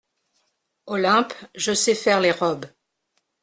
Olympe Je sais faire les robes.